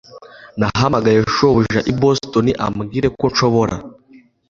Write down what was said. Nahamagaye shobuja i Boston ambwira ko nshobora